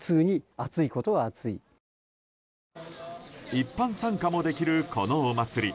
一般参加もできるこのお祭り。